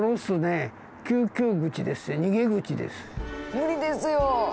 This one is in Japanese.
無理ですよ。